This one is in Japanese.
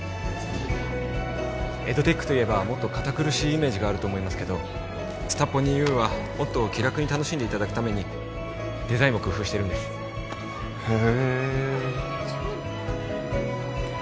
エドテックといえばもっと堅苦しいイメージがあると思いますけどスタポニＵはもっと気楽に楽しんでいただくためにデザインも工夫してるんですへえ